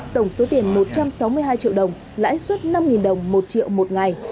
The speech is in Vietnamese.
tổng số tiền một trăm sáu mươi hai triệu đồng lãi suất năm đồng một triệu một ngày